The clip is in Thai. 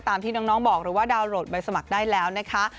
ที่น้องบอกหรือว่าดาวนโหลดใบสมัครได้แล้วนะคะ